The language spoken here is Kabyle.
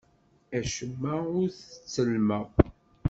Acemma ur t-ttellmeɣ.